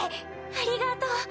ありがとう。